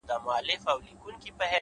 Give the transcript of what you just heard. د ساده فکر ځواک لوی بدلون راولي.!